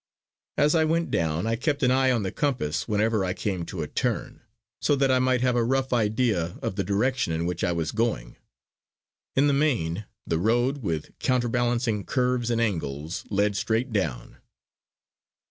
As I went down, I kept an eye on the compass whenever I came to a turn, so that I might have a rough idea of the direction in which I was going. In the main the road, with counterbalancing curves and angles, led straight down.